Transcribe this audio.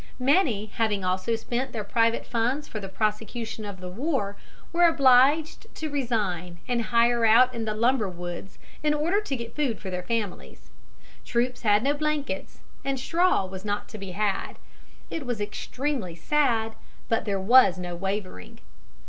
Many, having also spent their private funds for the prosecution of the war, were obliged to resign and hire out in the lumber woods in order to get food for their families. Troops had no blankets, and straw was not to be had. It was extremely sad; but there was no wavering.